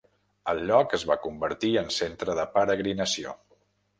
El lloc es va convertir en centre de peregrinació.